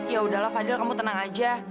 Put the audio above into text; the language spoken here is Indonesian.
yaudahlah fadil kamu tenang aja